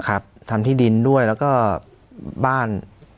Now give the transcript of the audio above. ทำที่ดินด้วยแล้วก็บ้าน